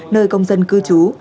nơi công dân cư trú